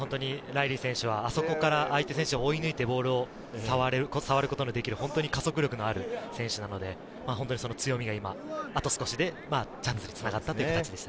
ライリー選手はあそこから相手選手を追い抜いて、ボールを触ることができる加速力のある選手なので、その強みがあと少しでチャンスにつながった形です。